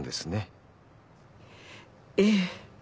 ええ。